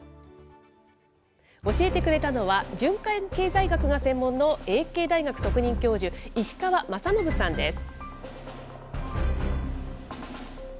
教えてくれたのは、循環経済学が専門の叡啓大学特任教授、石川雅紀さんです。